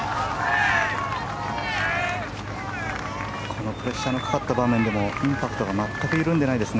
このプレッシャーのかかった場面でもインパクトが全く緩んでないです。